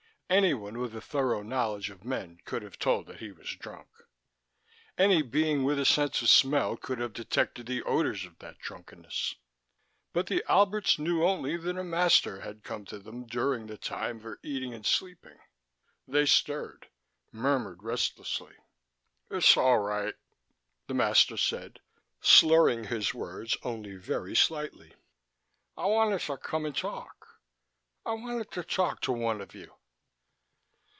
Anyone with a thorough knowledge of men could have told that he was drunk. Any being with a sense of smell could have detected the odors of that drunkenness. But the Alberts knew only that a master had come to them during the time for eating and sleeping. They stirred, murmuring restlessly. "It's all right," the master said, slurring his words only very slightly. "I wanted to come and talk. I wanted to talk to one of you."